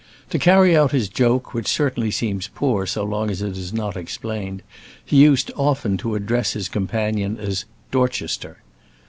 To carry out his joke, which certainly seems poor so long as it is not explained, he used often to address his companion as "Dorchester."